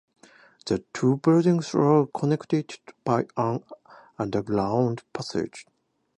The two buildings are connected by an underground passage.